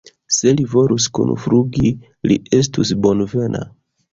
Se li volus kunflugi, li estus bonvena.